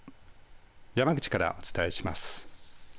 山口からお伝えします。